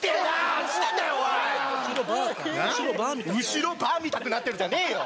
「後ろバーみたくなってる」じゃねえよ！